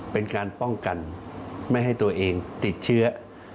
เป็นการป้องกันไม่ให้ตัวเองติดเชื้อ